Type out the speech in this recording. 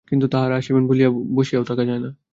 কিন্তু তাঁহারা আসিবেন বলিয়া বসিয়া থাকাও যায় না।